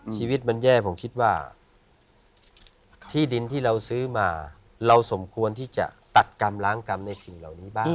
ชีวิตมันแย่ผมคิดว่าที่ดินที่เราซื้อมาเราสมควรที่จะตัดกรรมล้างกรรมในสิ่งเหล่านี้บ้าง